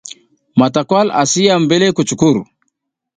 Matawal asi yam mbele kucuckur.